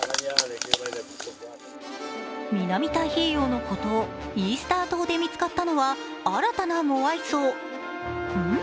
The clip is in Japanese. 南太平洋の孤島・イースター島で見つかったのは新たなモアイ像んん？